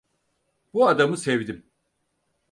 Bu adamı sevdim.